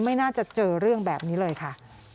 ไม่น่าจะเจอเรื่องแบบนี้เลยค่ะ